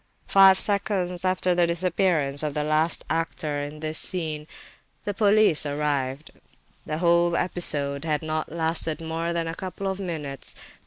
Five seconds after the disappearance of the last actor in this scene, the police arrived. The whole episode had not lasted more than a couple of minutes.